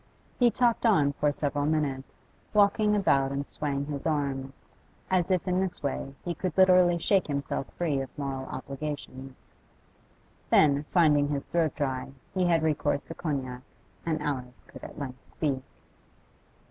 He talked on for several minutes, walking about and swaying his arms, as if in this way he could literally shake himself free of moral obligations. Then, finding his throat dry, he had recourse to cognac, and Alice could at length speak.